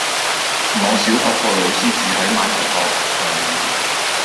我小學個老師住喺馬頭角銅璵